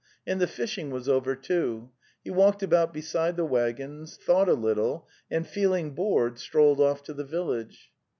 And the fish ing was over, too. He walked about beside the waggons, thought a little, and, feeling bored, strolled off to the village.